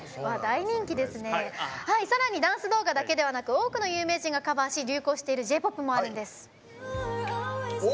さらにダンス動画だけではなく多くの有名人がカバーし流行しているＪ‐ＰＯＰもあるんです。